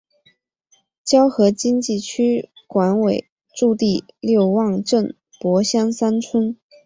胶河经济区管委驻地六汪镇柏乡三村。